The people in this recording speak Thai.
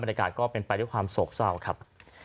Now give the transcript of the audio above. บรรยากาศก็เป็นไปด้วยความโศกเศร้าครับ